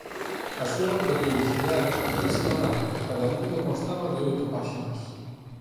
A súa periodicidade era semanal e cada número constaba de oito páxinas.